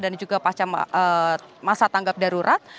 dan juga pasca masa tanggap darurat